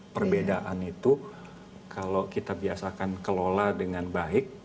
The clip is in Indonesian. perbedaan itu kalau kita biasakan kelola dengan baik